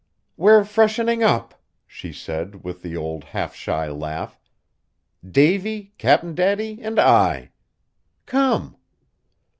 "We're freshening up," she said with the old half shy laugh, "Davy, Cap'n Daddy, and I. Come!"